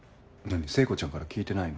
聖子ちゃんから聞いてないの？